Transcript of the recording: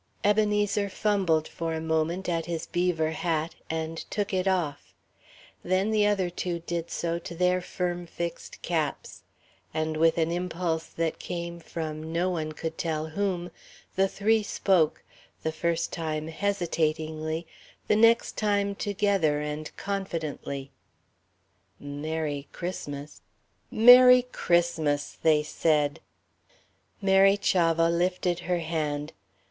Ebenezer fumbled for a moment at his beaver hat, and took it off. Then the other two did so to their firm fixed caps. And with an impulse that came from no one could tell whom, the three spoke the first time hesitatingly, the next time together and confidently. "Merry Christmas. Merry Christmas," they said. Mary Chavah lifted her hand.